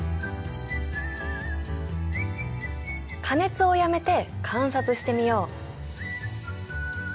加熱をやめて観察してみよう。